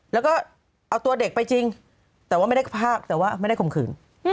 แล้วก็เอาตัวเด็กไปจริงแต่ว่าไม่ได้ภาพแต่ว่าไม่ได้ข่มขืน